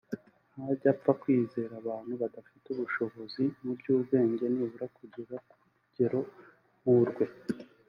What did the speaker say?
ntajya apfa kwizera abantu badafite ubushobozi mu by’ubwenge nibura kugera ku rugero nk’urwe